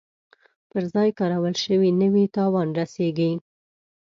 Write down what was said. پر ځای کارول شوي نه وي تاوان رسیږي.